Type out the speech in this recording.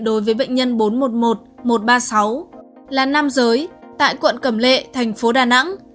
đối với bệnh nhân bốn trăm một mươi một một trăm ba mươi sáu là nam giới tại quận cẩm lệ thành phố đà nẵng